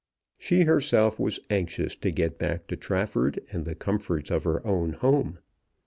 She herself was anxious to get back to Trafford and the comforts of her own home.